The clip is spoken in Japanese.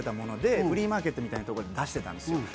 フリーマーケットみたいなところに出してたんです。